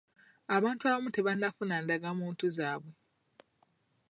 Abantu abamu tebannafuna ndagamuntu zaabwe.